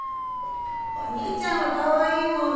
お兄ちゃんはカワイイもんね